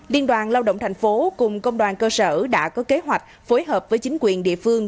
liên đoàn lao động thành phố cùng công đoàn cơ sở đã có kế hoạch phối hợp với chính quyền địa phương